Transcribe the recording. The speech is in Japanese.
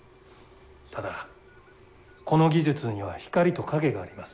ただこの技術には光と影があります。